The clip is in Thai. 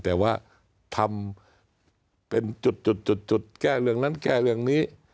แต่ว่าทำเป็นจุดแก้เรื่องนั้นแก้เรื่องนี้